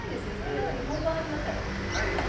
なのに、本番始まったら。